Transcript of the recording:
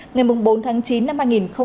ngày bốn tháng chín năm hai nghìn một mươi hai